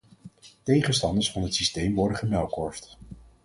Tegenstanders van het systeem worden gemuilkorfd.